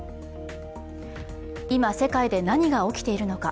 今、世界で何が起きているのか。